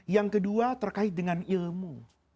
yang kedua terkait dengan ilmu